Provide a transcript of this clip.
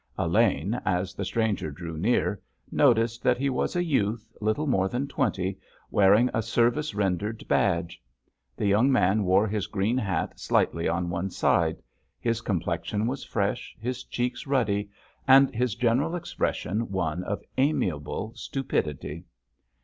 Elaine, as the stranger drew near, noticed that he was a youth, little more than twenty, wearing a service rendered badge. The young man wore his green hat slightly on one side—his complexion was fresh, his cheeks ruddy, and his general expression one of amiable stupidity.